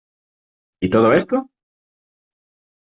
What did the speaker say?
¿ y todo esto?